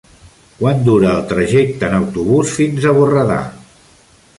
Quant dura el trajecte en autobús fins a Borredà?